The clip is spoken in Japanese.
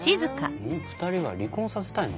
２人は離婚させたいのか？